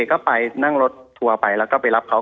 ก็ไปนั่งรถทัวร์ไปแล้วก็ไปรับเขา